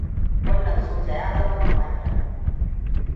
Wannan soja ya zama kwamandan